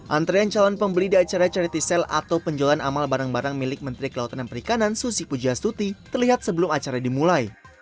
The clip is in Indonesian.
antrean calon pembeli di acara charity sale atau penjualan amal barang barang milik menteri kelautan dan perikanan susi pujastuti terlihat sebelum acara dimulai